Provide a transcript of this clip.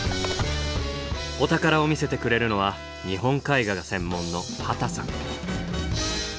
お宝を見せてくれるのは日本絵画が専門の畑さん。